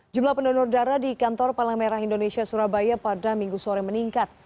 jumlah pendonor darah di kantor palang merah indonesia surabaya pada minggu sore meningkat